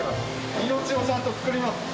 命をちゃんと作ります。